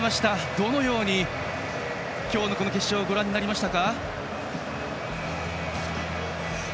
どのように今日の決勝をご覧になりましたか？